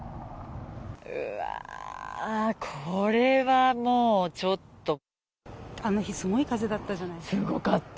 うわー、これはもう、あの日、すごい風だったじゃない？すごかった。